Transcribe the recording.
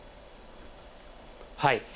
はい。